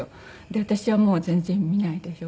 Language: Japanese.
私はもう全然見ないでしょ。